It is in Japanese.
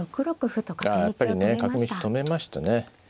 ああやっぱりね角道止めましたね。